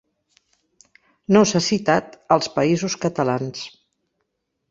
No s'ha citat als Països Catalans.